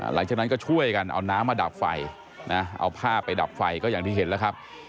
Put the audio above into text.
หลังจากนั้นก็ช่วยกันเอาน้ำมาดับไฟนะเอาผ้าไปดับไฟก็อย่างที่เห็นแล้วครับ